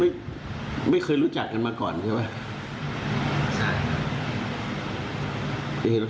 ไม่ไม่เคยรู้จักกันมาก่อนใช่ไหมใช่ครับ